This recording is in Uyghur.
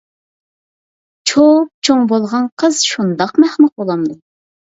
چوپچوڭ بولغان قىز شۇنداقمۇ ئەخمەق بۇلامدۇ.